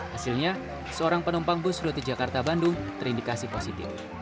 hasilnya seorang penumpang bus ruti jakarta bandung terindikasi positif